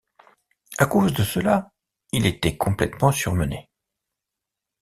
À cause de cela, il était complètement surmené.